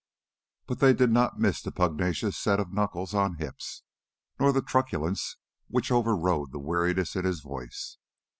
But they did not miss the pugnacious set of knuckles on hips, nor the truculence which overrode the weariness in his voice.